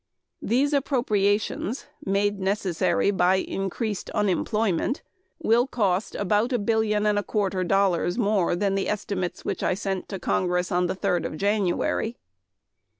These appropriations, made necessary by increased unemployment, will cost about a billion and a quarter dollars more than the estimates which I sent to the Congress on the third of January